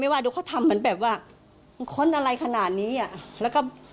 ไม่ว่าดูเขาทำเหมือนแบบว่ามันคนอะไรขนานี้อ่ะ